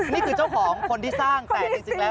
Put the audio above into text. นี่คือเจ้าของคนที่สร้างแต่จริงแล้ว